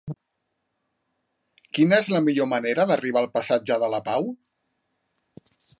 Quina és la millor manera d'arribar al passatge de la Pau?